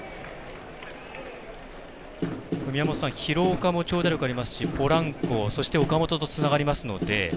宮本さん、廣岡も長打力ありますし、ポランコそして岡本とつながりますので。